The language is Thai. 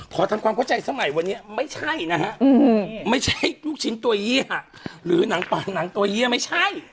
ขอทำความเข้าใจสมัยวันนี้ไม่ใช่นะฮะไม่ใช่ลูกชิ้นตัวเยี่ยหรือหนังปานหนังตัวเยี่ยไม่ใช่